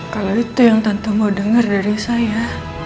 kalau itu yang tante mau dengar dari saya